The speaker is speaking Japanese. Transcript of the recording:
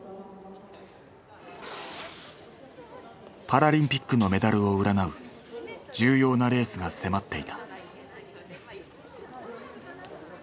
パラリンピックのメダルを占う重要なレースが迫っていた。